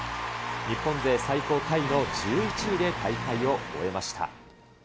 日本勢最高タイの１１位で大会を終えました。